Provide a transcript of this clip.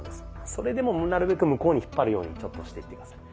それでもなるべく向こうに引っ張るようにしていって下さい。